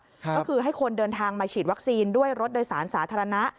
ก็คือให้คนเดินทางมาฉีดวัคซีนด้วยรถโดยสารสาธารณะ